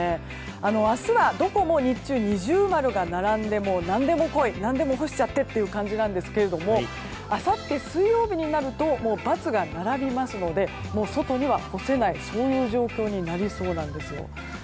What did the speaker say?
明日はどこも日中二重丸が並んで何でも来い、何でも干しちゃってという感じですがあさって水曜日になると×が並びますので外には干せない状況になりそうなんですよ。